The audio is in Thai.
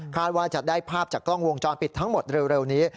ว่าจะได้ภาพจากกล้องวงจรปิดทั้งหมดเร็วนี้